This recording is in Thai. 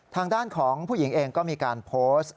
ทางด้านของผู้หญิงเองก็มีการโพสต์